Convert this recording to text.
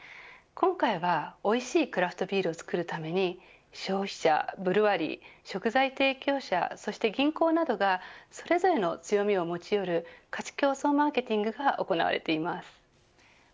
今回はおいしいクラフトビールを作るために消費者、ブルワリー食材提供者そして銀行などがそれぞれの強みを持ち寄る価値共創マーケティングが行われています。